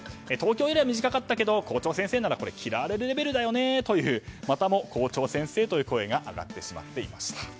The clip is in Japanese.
東京よりは短かったけど校長先生なら嫌われるレベルだよねというまたも校長先生という声が上がってしまっていました。